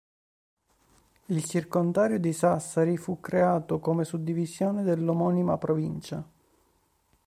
Il circondario di Sassari fu creato come suddivisione dell'omonima provincia.